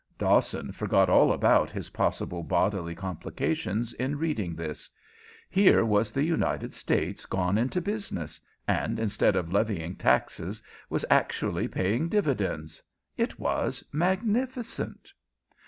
Dawson forgot all about his possible bodily complications in reading this. Here was the United States gone into business, and instead of levying taxes was actually paying dividends. It was magnificent.